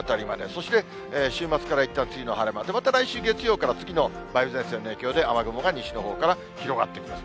そして週末からいったん、梅雨の晴れ間、また来週の月曜から次の梅雨前線の影響で、雨雲が西のほうから広がってきます。